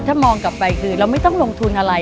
ถ้ามองกลับไปคือเราไม่ต้องลงทุนอะไร